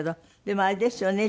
でもあれですよね。